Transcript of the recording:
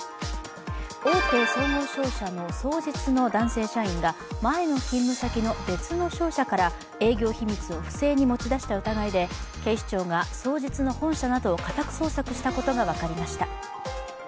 大手総合商社の双日の男性社員が、前の勤務先の別の商社から営業秘密を不正に持ち出した疑いで警視庁が双日の本社などを家宅捜索したことが分かりました。